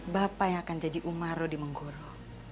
bapak yang akan jadi umaro di menggoro